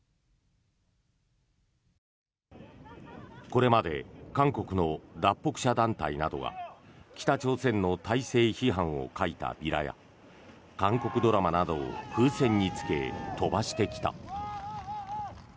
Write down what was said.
これまで韓国の脱北者団体などが北朝鮮の体制批判を書いたビラや韓国ドラマなどを風船につけ飛ばしてきた。